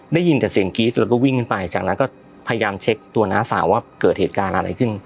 ได้ยินแต่เสียงกรี๊ดแล้วก็วิ่งขึ้นไปจากนั้นก็พยายามเช็คตัวน้าสาวว่าเกิดเหตุการณ์อะไรขึ้น